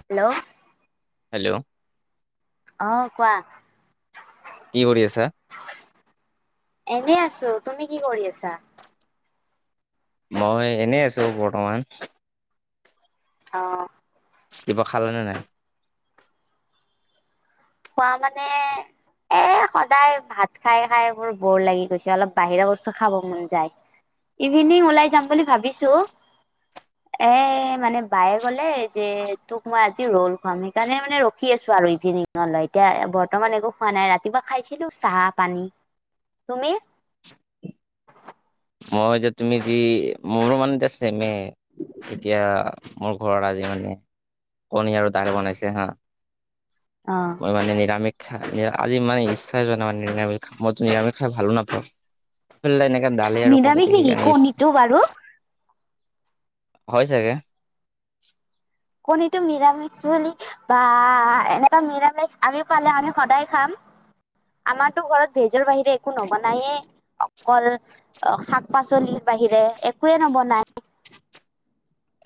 Hello hello অঁ কোৱা। কি কৰি আছা? এনেই আছো তুমি কি কৰি আছা? মই এনেই আছো বৰ্তমান। অঁ, কিবা খালানে নাই? খোৱা মানে এ সদায় ভাত খাই খাই মোৰ বৰ লাগি গৈছে, অলপ বাহিৰে বস্তু খাব মন যায়। ইভিনিং ওলাই যাম বুলি ভাবিছো। [inaudible] এ মানে বায়ে ক'লে যে তোক মই আজি ৰুল খোৱাম সেইকাৰণে মানে ৰখি আছো আৰু ইভিনিং। নলয় এতিয়া বৰ্তমান একো খোৱা নাই ৰাতিপুৱা খাইছিলো চাহ পানী তুমি? মই যে তুমি যি মোৰো মানে এতিয়াচেমে এতিয়া মোৰ ঘৰত আজি মানে কণী আৰু দাল বনাইছে হাঁ অ ম মানে নিৰামিষ খাই আজি মানে ইচ্ছা জোৱা নাই নিৰামিষ মইতো নিৰামিষ খাই ভালো নাপাওঁ। খল্লে এনেকে দালি আৰু- কণী নিৰামিষ দেখি নেকি কাৰণে ইছ কণীটো বাৰু। হয় চাগে। কনিটো মিৰামিষ বুলি বা এনেকুৱা নিৰামিষ আমি পালে আমি সদায় খাম। আমাৰতো ঘৰত ভেজৰ বাহিৰে একো নবনায়ে অকল অ শাক পাচলিৰ বাহিৰে একোৱে নবনায়।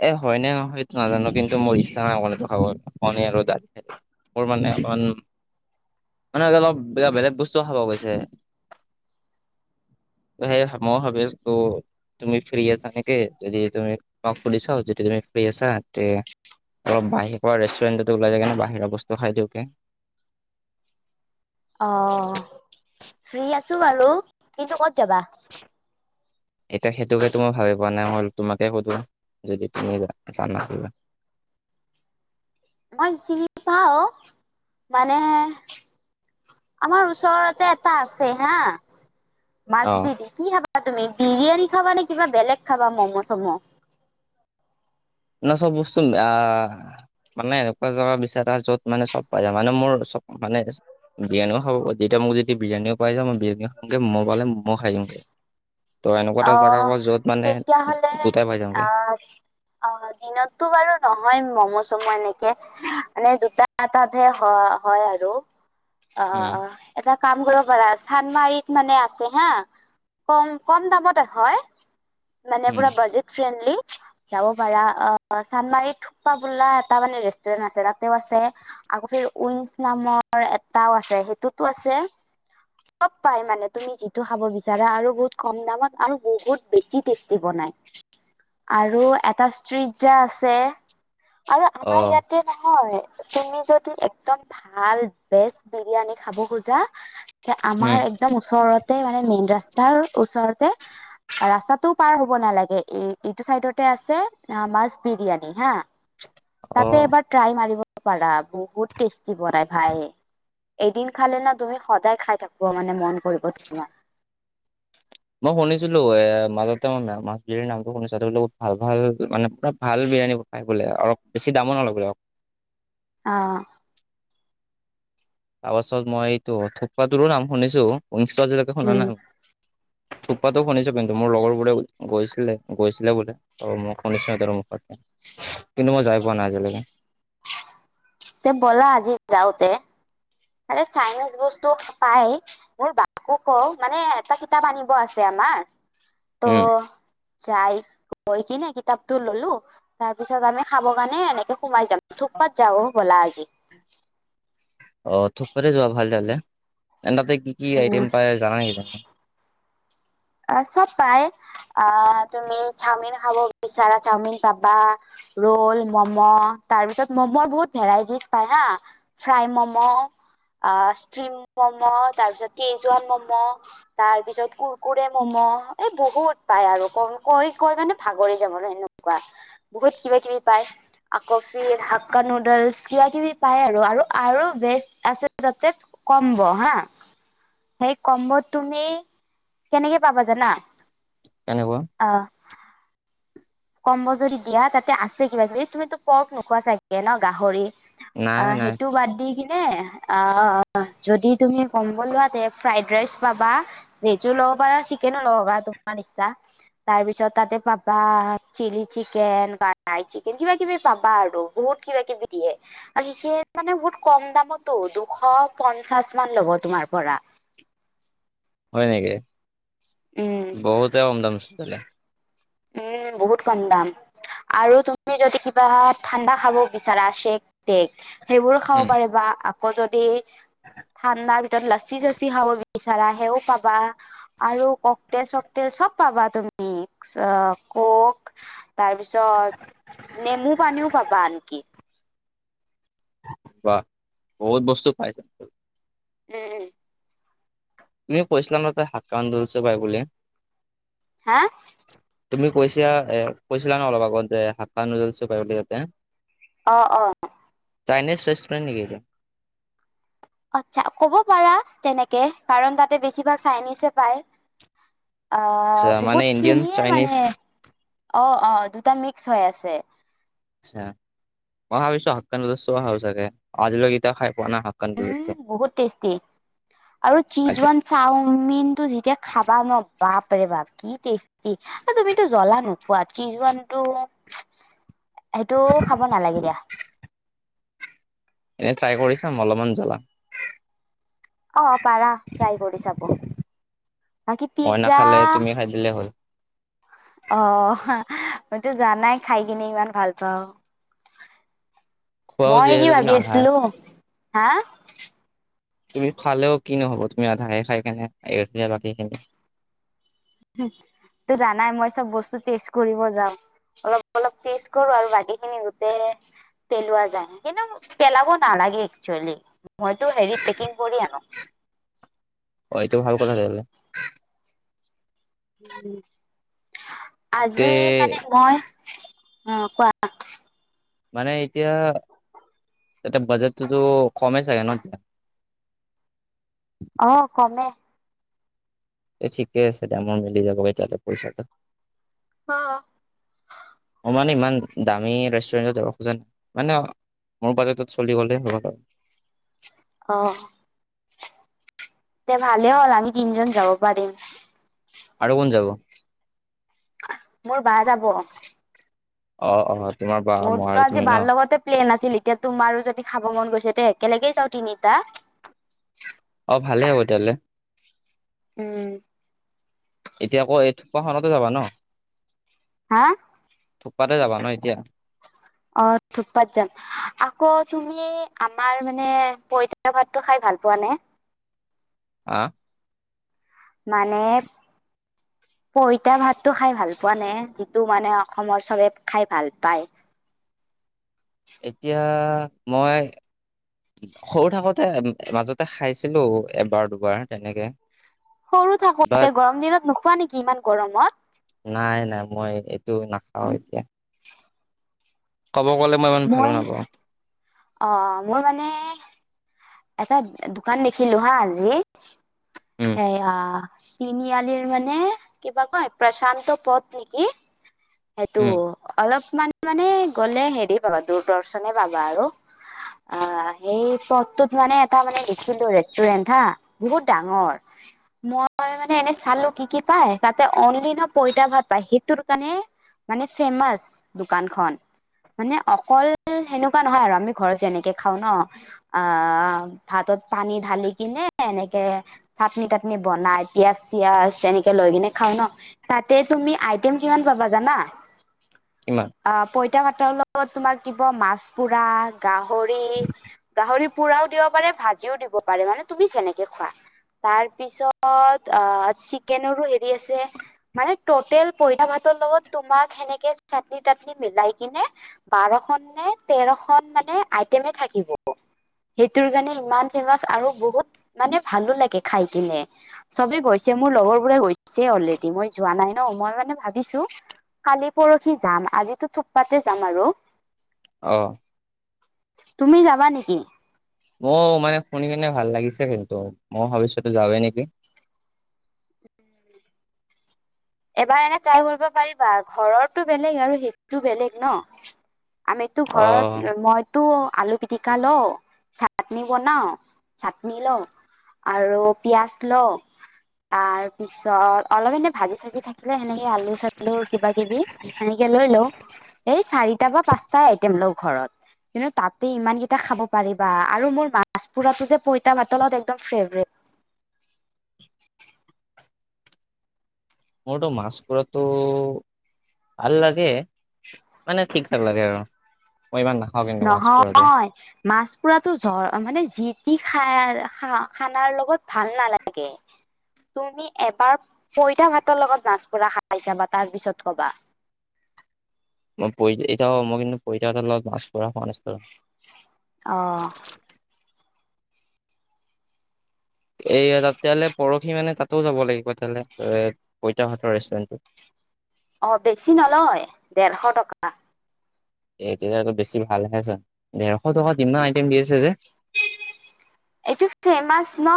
এ হয়নে নহয় এইটো নাজানো কিন্তু মোৰ ইচ্ছা নাই কণীটো খাব কণী আৰু দাল। মোৰ মানে অকণ মানে আজি অলপ কিবা বেলেগ বস্তুও খাব গৈছে। সেই মই ভাবি আছো তুমি ফ্ৰী আছা নেকি যদি তুমি সুধি চাওঁ যদি তুমি ফ্ৰী আছা তে- অলপ বাহিৰৰ ৰেষ্টুৰেণ্টত ওলাই যাই কনে বাহিৰা বস্তু খাই দিওঁগে। অঁ ফ্ৰী আছো বাৰু কিন্তু ক'ত যাবা? এতিয়া সেইটোকেটো মই ভাবি পোৱা নাই হল তোমাকে সোধো যদি তুমি জানা কিবা মই চিনি পাওঁ মানে- আমাৰ ওচৰতে এটা আছে হাঁ। অ মাাজবিদি কি খাবা তুমি বিৰিয়ানী খাবা নে কিবা বেলেগ খাবা ম'ম' চম'? ন চব বস্তু নেআ- মানে এনেকুৱা জেগা বিচাৰে য'ত মানে চব পাই যায় মানে মোৰ চব মানে বিৰিয়ানিও খাব প যেতিয়া মোক যেতিয়া বিৰিয়ানিও পাই যা মই বিৰিয়ানি খওঁগে মই পালে মই খাই দিমগে। ত এনেকুৱা এটা অ জেগা ক য'ত মানে তেতিয়াহলে দুটাই পাই যাওঁগে আহ- অঁ দিনততো বাৰু নহয় মম' চমো এনেকে- মানে দুটা এটাতহে হয় হয় আৰু। অ উম এটা কাম কৰিব পাৰা চানমাৰিত মানে আছে হা কম কম দামতে হয় মানে উম বাজেত ফ্ৰেনলি যাব পাৰা অ চান্মাৰী থোপ্পা বোলা এটা মানে ৰেষ্টুৰেন্ট আছে, তাতেও আছে আগতে উইন্ঞ্চ নামৰ এটাও আছে সেইটোতো আছে চব পাই মানে তুমি যিটো খাব বিচাৰা আৰু বহুত কম দামত আৰু বহুত বেছি টেষ্টি বনাই। আৰু এটা ষ্টিজা আছে। আৰু অ আমাৰ ইয়াত তে নহয় তুমি যদি একদম ভাল বেচ বিৰিয়ানী খাব খোজা উম আমাৰ একদম ওচৰতে মানে মেইন ৰাস্তাৰ ওচৰতে [inaudible] ৰাস্তাটোও পাৰ হ'ব নালাগে এই-এইটো চাইদতে আছে মাছ বিৰিয়ানী হা তাতে অ এবাৰ ট্ৰাই মাৰিব পাৰা বহুত টেষ্টি বনাই ভাই। এদিন খালে না তুমি সদায় খাই থাকিব মানে মন কৰিব তোমাৰ। মই শুনিছিলো এ মাজতে মই মাছ বিৰিয়ানীৰ নামটো শুনিছো ভাল ভাল মানে পুৰা ভাল বিৰিয়ানী পাই বোলে অলপ বেছি দামো নলয় বোলে অ। তাৰপাছত মই এইটো থুকপাটোৰো নাম শুনিছো উইংচটো আজিলৈকে শুনা উম নাই। থুকপাতো শুনিছো কিন্তু মোৰ লগৰবোৰে গৈছিলে গৈছিলে বোলে। ত মই শুনিছো সিহঁতৰ মুখত কিন্তু মই যাই পোৱা নাই আজিলৈকে। তে ব'লা আজি যাওঁতে। আৰে চাইনিজ বস্তু পায়। মোৰ বাবুকো কয় মানে এটা কিতাপ আনিব আছে আমাৰ উম ত' যাই গৈ কিনে কিতাপতো ললো তাৰ পিছত আমি খাব কাৰণে এনেকে সোমাই যাম। থুকপাত যাও ব'লা আজি। অ থুকপকতে যোৱা ভাল তেতিয়া হ'লে। তাতে কি কি উম আইটেম পায় জানা নেকি তুমি? আহ চব পায় আহ তুমি চাওমিন খাব বিচাৰা চাওমিন পাবা, ৰ'ল, মম' তাৰ পিছত ম'ম বহুত ভেৰাইটিজ পায় হা। ফ্ৰাই মম আ ষ্টিম মম, তাৰপিছত কেইজুৱান মম, তাৰপিছত কুৰ কুৰে মম এই বহুত পায় আৰু কৈ কৈ মানে ভাগৰি যাব এনেকুৱা। বহুত কিবা কিবি পায়। কফি হাক্কা নুডলছ কিবা কিবি পায় আৰু আৰু আৰু বেজ আছে তাতে কম্ব হা, সেই কম্ব তুমি কেনেকে পাবা জানা? কেনেকুৱা? আ কম্ব যদি দিয়া তাতে আছে কিবা কিবি। তুমিতো পৰ্ফ নোখোৱা চাগে ন গাহৰি? অ নাই নাই সেইটো বাদ দি কি অ যদি তুমি কম বলোৱা তে ফ্ৰাইড ৰাইচ পাবা, ভেজো ল'ব পাৰা চিকেনো ল'ব পাৰা তোমাৰ ইচ্ছা। তাৰ পিছত তাতে পাবা চিলি চিকেন বা ৰাই চিকেন কিবা কিবি পাবা আৰু বহুত কিবা কিবি দিয়ে। আৰু সেইখিনি মানে বহুত কম দামতো দুশ পঞ্চাশ মান ল'ব তোমাৰ পৰা। হয় নেকি। উম বহুতে কম দাম চ তেতিয়া হ'লে। উম বহুত কম দাম। আৰু তুমি যদি কিবা ঠাণ্ডা খাব বিচাৰা চেক তেক। সেইবোৰ খাব উম পাৰিবা আকৌ যদি ঠাণ্ডাৰ ভিতৰত লাচি চাচি খাব বিচাৰা সেও পাবা আৰু ককটেল চকটেল চব পাবা তুমি। অ কক তাৰপিছত নেমু পানীও পাবা আনকি। বা বহুত বস্তু পাইছ উম উম। তুমি কৈছিলা ন তাত শাক কাম ধৈছো পাই বুলি। হা? তুমি কৈছা এ কৈছিলা ন অলপ আগত যে শাকখা নুজল চপাই বুলি তাতে। অ অ। চাইনিজ ৰেষ্টৰেণ্টেকেইয়া? আচ্ছা কব পাৰা তেনেকে কাৰণ তাতে বেছিভাগ চাইনিজে পায়। অ আচ্ছা মানে বহুত ইণ্ডিয়ান খিনিয়ে চাইনিজ মানে অ অ দুটা মিক্স হৈ আছে। আচ্ছা মই ভাবিছোঁ হাক্ক ন ভাব চাগে আজ লগক ইতিয়া খাই পোৱা নাই। উম নুডলছটো বহুত টেষ্টি আৰু চিজ আজি ওৱান চাওমিন টো যেতিয়া খাবা ন বাপৰে বাপ কি টেষ্টি। তুমিতো জ্বলা নোখোৱা চিজৱানটো সেইটো খাব নালাগে দিয়া। এনেই ট্ৰাই কৰি চাম অলপমান জ্বলা। অ পাৰা ট্ৰাই কৰি চাব বাকী মই পিজ্জা নাখালে তুমি খাই দিলে হল। অ মইতো জানাই খাই কিনে ইমান ভাল পাওঁ। [unintelligible] মই কি যিহেতু তুমি ভাবি আধা আছিলো। হা? তুমি খালেও কি নহ'ব তুমি ৰাধাইে খাই কেনে বাকীখিনি। তটো জানাই মই চব বস্তু টেষ্ট কৰিব যাওঁ অলপ অলপ টেষ্ট কৰো আৰু বাকীখিনি পেলোৱা যায় কিন্তু পেলাব নালাগে একচুৱেলি। মইতো হেৰি পেকিং কৰি আনো। অ এইটো ভাল কথা থলে তে আজি মানে মই অ কোৱা? মানে এতিয়া। এতিয়া বাজেটটোতো কমেই চাগে ন এতিয়া। অঁ, কমে। এই ঠিকে আছে তে মৰ মিলি যাব এই তে পইচাটো। অ। অ মানে ইমান দামী ৰেষ্টুৰেণ্টত দাব খোজা নাই মানে মোৰ বাজেটত চলি'লে হ'ব আৰু অঁ। দে ভালে হ'ল আমি তিনিজন যাব পাৰিম। আৰু কোন যাব? মোৰ বা যাব। অ অ। তোমাৰ বা মই মোৰতো আৰু আজি তুমি ন বাৰ লগতে প্লেন আছিল এতিয়া তোমাৰো যদি খাব মন গৈছে এতিয়া একেলগে যাওঁ তিনিটা। অ ভালে হ'ব তেতিয়াহ'লে। উম। এতিয়া আকৌ এই থোপাখনতে যাবা ন হা থপাতে যাবা ন এতিয়া আৰু ধুপত জাম আকৌ তুমি আমাৰ মানে পইতা ভাতটো খাই ভাল পোৱা নে? হঁ মানে পইতা ভাতটো খাই ভাল পোৱা নে যিটো মানে অসমৰ চবে খাই ভাল পায়। এতিয়া মই সৰু থাকোতে মাজতে খাইছিলো এবাৰ দুবাৰ তেনেকে সৰু থাকোতে বাট গৰম দিনত নোখোৱা নেকি ইমান গৰমত। নাই নাই মই এইটো নাখাও এতিয়া ক'ব গ'লে ইমান ভালো মই নাপাওঁ অ মোৰ মানে এটা দোকান দেখিলো হা আজি উম সেইয়া তিনিআলিৰ মানে কিবা কয় প্ৰশান্ত পথ নেকি। সেইটো উম অলপমান মানে গলে হেৰি পাবা দূৰদৰ্শনে পাবা আৰু অ সেই পথটোত মানে এটা মানে দেখিলো ৰেষ্টুৰেণ্ট হা বহুত ডাঙৰ মই মানে এনেই চালো কি কি পাই তাতে অনলি ন পইতা ভাত পায় সেইটোৰ কাৰণে মানে ফেমাচ দোকানখন মানে অকল সেনেকুৱা নহয় আৰু আমি ঘৰত যেনেকে খাওঁ ন আহ ভাতত পানী ঢালি কিনে এনেকে চাটনি তাটনি বনাই পিয়াজ চিয়াজ তেনেকে লৈ কিনে খাও ন তাতে তুমি আইটেম কিমান পাবা জানা কিমান? অ পইতা পাতলত তোমাক দিব মাছ পোৰা গাহৰি গাহৰি পুৰাও দিব পাৰে ভাজিও দিব পাৰে মানে তুমি যেনেকে খোৱা তাৰ পিছত আ চিকেনৰো হেৰি আছে মানে তটেল পঠা মাতৰ লগত তোমাক সেনেকে চাটনি তাটনি মিলাই কিনে বাৰখন নে তেৰ খন মানে আইটেমে থাকিব সেইটোৰ কাৰণে ইমান ফেমাচ আৰু বহুত মানে ভালো লাগে খাই কিনে চবে গৈছে মোৰ লগৰ বোৰে গৈছে অলৰেডি মই যোৱা নাই ন মই মানে ভাবিছো। কালি পৰহি যাম আজিতো থপপাতে যাম আৰু অ তুমি যাবা নেকি। মোৰ মানে শুনি কিনে ভাল লাগিছে কিন্তু মই ভৱিষ্যতো যাওগে নেকি এবাৰ এনে ট্ৰাই কৰিব পাৰিবা ঘৰৰটো বেলেগ আৰু সেইটো বেলেগ ন আমিতো অ ঘৰত মই টো আলু পিটিকা লওঁ চাটনি বনাওঁ চাটনি লওঁ। আৰু পিয়াজ লওঁ তাৰ পিছত অলপ এনে ভাজি চাজি থাকিলে সেনেকে আলু চালুৰ কিবা কিবি সেনেকে লৈ লও এই চাৰিটা বা পাঁচটাই আইটেম লও ঘৰত কিন্তু তাতে ইমান কেইটা খাব পাৰিবা আৰু মোৰ মাছ পুৰাতটো যে পইতা পাতলত একদম ফেভৰেট মোৰতো মাছ পৰাটো ভাল লাগে মানে ঠিক লাগে আৰু। মই ইমান নাপাওঁ কে নহয়- মাছ পুৰাটো জৰ মানে যি টি খাই খানা খানাৰ লগত ভাল নালাগে। তুমি এবাৰ পইতা ভাতৰ লগত মাছ পোৰা খাই চাবা তাৰ পিছত কবা। মই এতিয়াও মই কিন্তু প‌ইতা ভাতৰ লগত মাছ খোৱা নাছিলোঁ। অ, এই তেতিয়াহলে পৰহি মানে তাতোও যাব লাগিব তেতিয়াহলে পইতাহতৰ ৰেষ্টুৰেণ্টট। অঁ বেছি নলয় ডেৰশ টকা। এতিয়া ক বেছি ভাল চাহ দেৰশ টকাত ইমান আইটেম দি আছে যে। এইটো ফেমাচ ন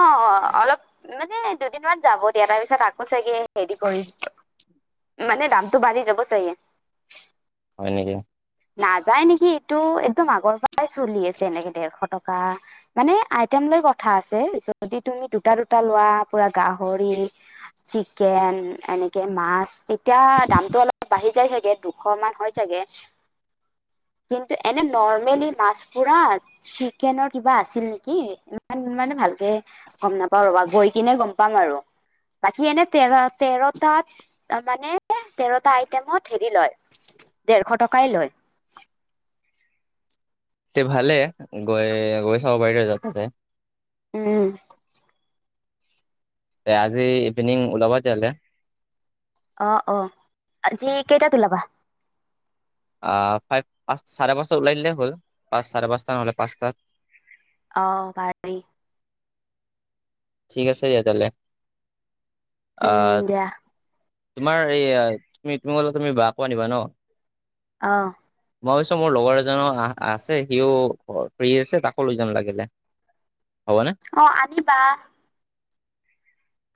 অলপ মানে দুদিনমান যাব দিয়া তাৰ পিছত আকৌ চাগে হেৰি কৰি মানে দামটো বাঢ়ি যাব চাগে। হয় নেকি। নাযায় নেকি এইটো একদম আগৰ পৰাই চলি আছে এনেকে ডেৰশ টকা। মানে আইটেম লৈ কথা আছে যদি তুমি দুটা দুটা লোৱা পুৰা গাহৰি- চিকেন এনেকে মাছ এতিয়া দামটো অলপ বাঢ়ি যায় ছাগে। দুশ মান হয় চাগে। কিন্তু এনে নৰৰ্মেলি মাছ পুৰাত- চিকেনৰ কিবা আছিল নেকি ইমান মানে ভালকে- গম নাপাওঁ ৰবা গৈ কিনে গম পাম আৰু। বাকী এনে তেৰ তেৰটাত মানে তেৰটা আইটেমত হেৰি লয়- দেৰশ টকাই লয়। তে ভালে গৈ গৈ চাব পাৰিলোহেঁতেন তাতে। উম, তে আজি ইভিনিং ওলাব তেতিয়াহলে। অ অ আজি কেইটাত ওলাবা? অ ফাইভ পাঁচ চাৰে পাঁচটাত ওলাই দিলেই হ'ল পাঁচ চাৰে পাঁচটা নহ'লে পাঁচটাত। অঁ পাৰি। ঠিক আছে দিয়া তেহলে উম, আহ। দিয়া তোমাৰ এই তুমি তুমলে তুমি বাকো আনিবা ন। অঁ, মই ভাবিছো মোৰ লগৰ এজনো আহ আছে সিও ফ্ৰী আছে তাকো লৈ যাম লাগিলে। হ'ব নে? অঁ আনিবা।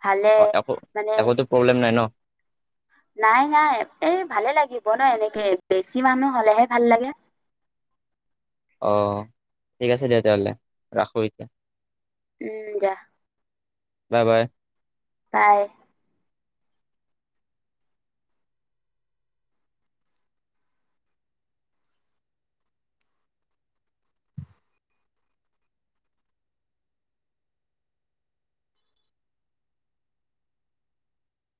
ভালে অঁ একো মানে একোতো প্ৰব্লেম নাই ন। নাই নাই এই ভালে লাগিব ন এনেকে বেছি মানুহ হলেহে ভাল লাগে। অ ঠিক আছে দিয়া তেতিয়াহ'লে ৰাখো এতিয়া। উম যা। Bye bye. বাই।